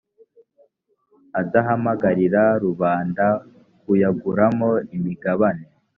adahamagarira rubanda kuyaguramo imigabane.